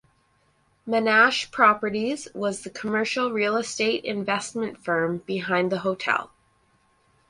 Menashe Properties was the commercial real estate investment firm behind the hotel.